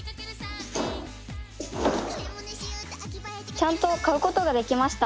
ちゃんと買うことができました。